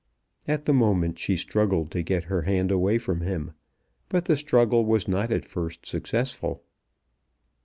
At the moment she struggled to get her hand away from him, but the struggle was not at first successful.